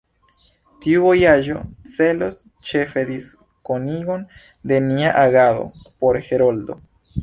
Tiu vojaĝo celos ĉefe diskonigon de nia agado por Heroldo.